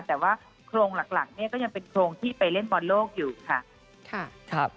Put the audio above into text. แต่ว่าโครงหลักเนี่ยก็ยังเป็นโครงที่ไปเล่นบอลโลกอยู่ค่ะ